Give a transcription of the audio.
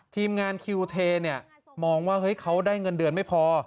ทีมงานคิวเทเนี่ยมองว่าเฮ้ยเขาได้เงินเดือนไม่พอ